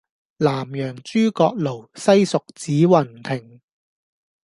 南陽諸葛廬，西蜀子雲亭